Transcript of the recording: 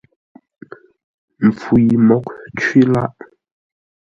Mpfu yi mǒghʼ cwí lâʼ.